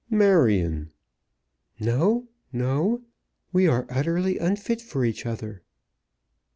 "Marion!" "No, no. We are utterly unfit for each other."